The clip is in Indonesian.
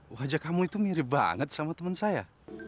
wajah kamu itu mirip banget sama teman saya